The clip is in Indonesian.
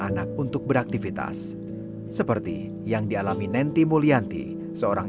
anak untuk beraktivitas seperti yang dialami nanti mulianti seorang